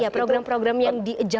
ya program program yang dijawan tahap